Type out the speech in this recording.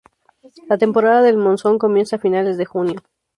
La temporada del monzón comienza a finales de junio.